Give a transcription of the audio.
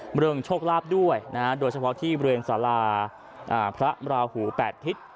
เรื่องโชคลาภด้วยโดยเฉพาะที่เบือนศาลาพระราหู๘ทิศ